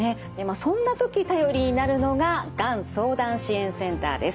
そんな時頼りになるのががん相談支援センターです。